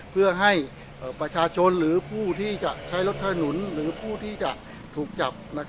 เพื่อให้ประชาชนหรือผู้ที่จะใช้รถถนนหรือผู้ที่จะถูกจับ